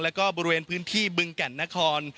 แล้วก็บริเวณพื้นที่บึงแก่นนคร